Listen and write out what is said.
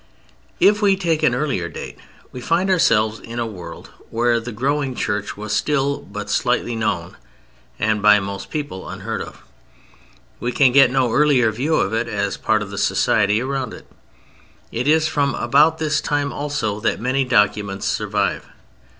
If we take an earlier date we find ourselves in a world where the growing Church was still but slightly known and by most people unheard of. We can get no earlier view of it as part of the society around it. It is from about this time also that many documents survive.